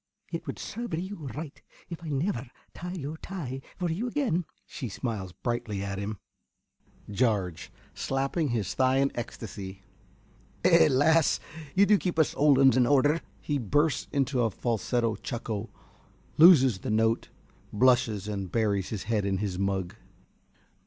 It would serve you right if I never tied your tie for you again. (She smiles brightly at him.) ~Jarge~ (slapping his thigh in ecstasy). Eh, lass! yer du keep us old uns in order. (_He bursts into a falsetto chuckle, loses the note, blushes and buries his head in his mug.